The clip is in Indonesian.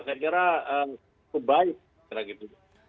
saya kira itu baik